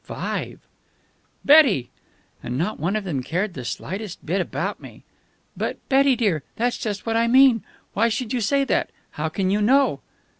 Five." "Betty!" "And not one of them cared the slightest bit about me." "But, Betty, dear, that's just what I mean. Why should you say that? How can you know?"